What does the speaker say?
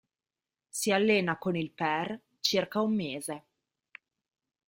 Si allena con il per circa un mese.